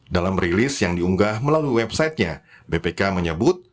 dalam rilis yang diunggah melalui websitenya bpk menyebut